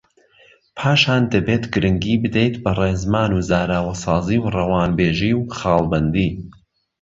پاشان دەبێت گرنگی بدەیت بە ڕێزمان و زاراوەسازی و ڕەوانبێژی و خاڵبەندی